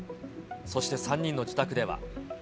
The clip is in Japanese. そして３人の自宅では。